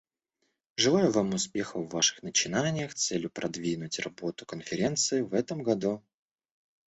Желаю вам успехов в ваших начинаниях с целью продвинуть работу Конференции в этом году.